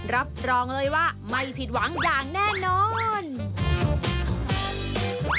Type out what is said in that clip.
รับรองเลยว่าไม่ผิดหวังอย่างแน่นอน